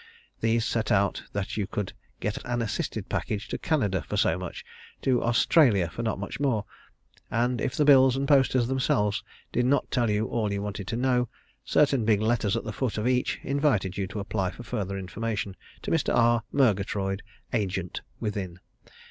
These set out that you could get an assisted passage to Canada for so much; to Australia for not much more and if the bills and posters themselves did not tell you all you wanted to know, certain big letters at the foot of each invited you to apply for further information to Mr. R. Murgatroyd, agent, within.